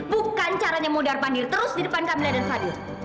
bukan caranya mudar pandir terus di depan kami dadan fadil